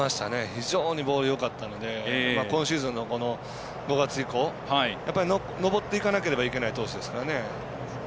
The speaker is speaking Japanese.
非常にボールよかったので今シーズンの５月以降上っていかなければいけない投手ですからね。